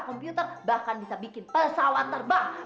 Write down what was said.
komputer bahkan bisa bikin pesawat terbang